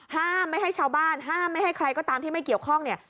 ห้ามไม่ให้ชาวบ้านห้ามไม่ให้ใครก็ตามที่ไม่เกี่ยวข้องเนี่ย